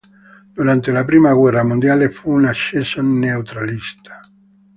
Durante la prima guerra mondiale fu un acceso neutralista.